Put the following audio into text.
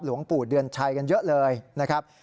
หลวงปู่เดือนชัยกันเยอะเลยนะครับ